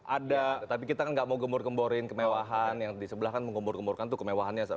ada tapi kita kan nggak mau gembur gemburin kemewahan yang di sebelah kan menggembur gemburkan tuh kemewahannya